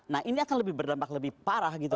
nah ini akan lebih berdampak lebih parah gitu